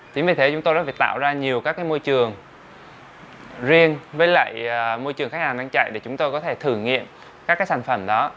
chính vì thế chúng tôi đã phải tạo ra nhiều các môi trường riêng với lại môi trường khách hàng đang chạy để chúng tôi có thể thử nghiệm các cái sản phẩm đó